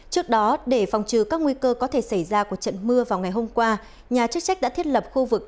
trước đó để phòng trừ các nguy cơ có thể xảy ra của trận mưa vào ngày hôm qua nhà chức trách đã thiết lập khu vực